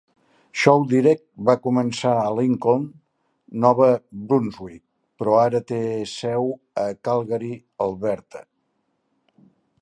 Shaw Direct va començar a Lincoln, Nova Brunswick, però ara té seu a Calgary (Alberta).